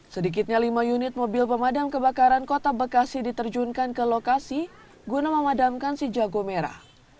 sedikitnya lima unit mobil pemadam kebakaran kota bekasi diterjunkan ke lokasi guna memadamkan si jago merah